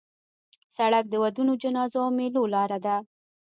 سړک د ودونو، جنازو او میلو لاره ده.